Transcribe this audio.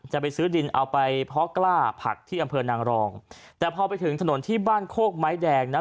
จะไปซื้อดินเอาไปเพาะกล้าผักที่อำเภอนางรองแต่พอไปถึงถนนที่บ้านโคกไม้แดงนะ